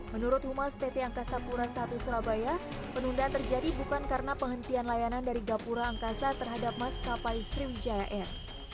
menurut humas pt angkasa pura i surabaya penundaan terjadi bukan karena penghentian layanan dari gapura angkasa terhadap maskapai sriwijaya air